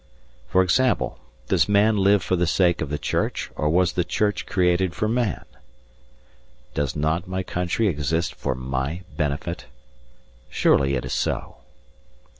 For example, does man live for the sake of the Church, or was the Church created for man? Does not my country exist for my benefit? Surely it is so.